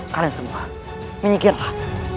kalian semua menyikirlah